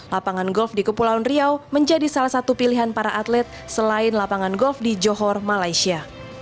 lapangan golf di kepulauan riau menjadi salah satu pilihan para atlet selain lapangan golf di johor malaysia